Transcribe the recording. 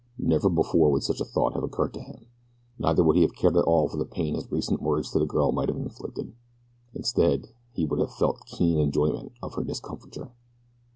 Never before would such a thought have occurred to him. Neither would he have cared at all for the pain his recent words to the girl might have inflicted. Instead he would have felt keen enjoyment of her discomfiture.